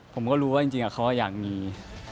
ผมก็รู้ว่าจริงเขาอยากมี